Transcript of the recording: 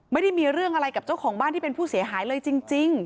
ไม่ได้มีเรื่องอะไรกับเจ้าของบ้านที่เป็นผู้เสียหายเลยจริง